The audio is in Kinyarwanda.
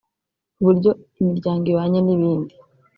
uburyo imiryango ibanye n’ibindi